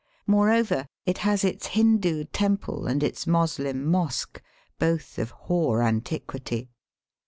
Moreover, it has its Hindoo temple and its Moslem mosque, both of hoar antiquity.